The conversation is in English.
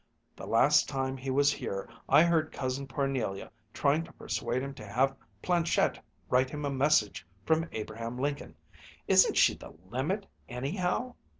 The last time he was here, I heard Cousin Parnelia trying to persuade him to have planchette write him a message from Abraham Lincoln. Isn't she the limit, anyhow!"